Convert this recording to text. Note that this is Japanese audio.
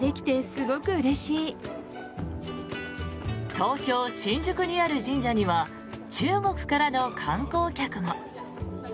東京・新宿にある神社には中国からの観光客も。